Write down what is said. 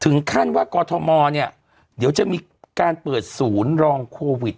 ถึงขั้นว่ากอทมเนี่ยเดี๋ยวจะมีการเปิดศูนย์รองโควิด